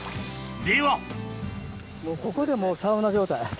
ではここでもうサウナ状態。